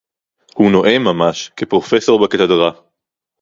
הוּא נוֹאֵם מַמָּשׁ כִּפְרוֹפֵסוֹר בְּקַתֶּדְרָה